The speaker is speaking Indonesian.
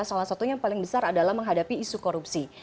salah satunya yang paling besar adalah menghadapi isu korupsi